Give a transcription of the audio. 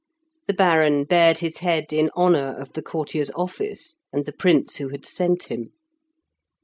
The Baron bared his head in honour of the courtier's office and the Prince who had sent him.